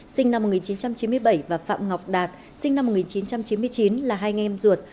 sinh năm một nghìn chín trăm chín mươi bảy và phạm ngọc đạt sinh năm một nghìn chín trăm chín mươi chín là hai anh em ruột